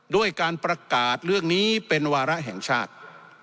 ด้วยการประกาศเรื่องนี้เป็นวาระแห่งชาติ